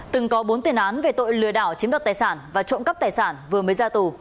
từng có bốn tiền án về tội lừa đảo chiếm đoạt tài sản và trộm cắp tài sản vừa mới ra tù